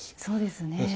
そうですね。